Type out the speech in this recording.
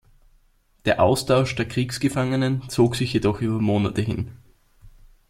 Der Austausch der Kriegsgefangenen zog sich jedoch über Monate hin.